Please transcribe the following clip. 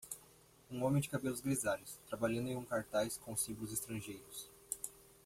Um homem de cabelos grisalhos, trabalhando em um cartaz com símbolos estrangeiros.